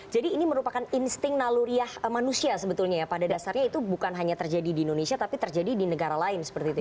jadi ini merupakan insting naluriah manusia sebetulnya ya pada dasarnya itu bukan hanya terjadi di indonesia tapi terjadi di negara lain seperti itu ya